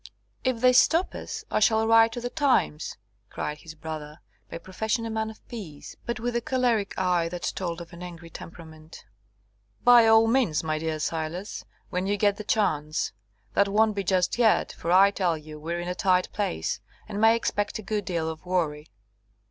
"If they stop us, I shall write to the Times" cried his brother, by profession a man of peace, but with a choleric eye that told of an angry temperament. "By all means, my dear Silas, when you get the chance. That won't be just yet, for I tell you we're in a tight place, and may expect a good deal of worry."